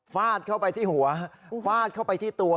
ฟาดเข้าไปที่หัวฟาดเข้าไปที่ตัว